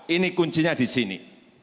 ini kuncinya di sini